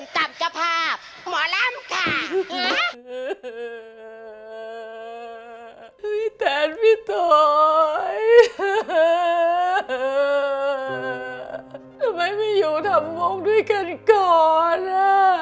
ทำไมไม่อยู่ทำวงด้วยกันก่อน